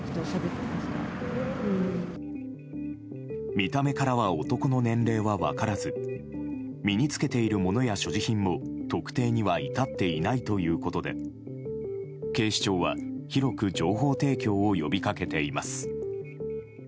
見た目からは男の年齢は分からず身に着けているものや所持品も特定には至っていないということで警視庁は広く情報提供を呼び掛けています。